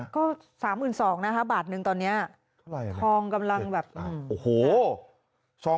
ก็๓๒๐๐๐บาทนึงตอนนี้เท่าไหร่ทองกำลังแบบโอ้โห